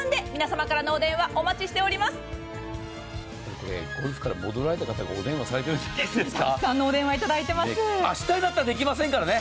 これゴルフから戻られた方がお電話されているんじゃないですか？